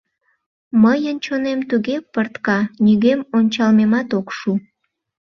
Мыйын чонем туге пыртка, нигӧм ончалмемат ок шу.